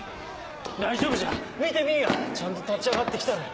大丈夫じゃ見てみぃやちゃんと立ち上がって来とる。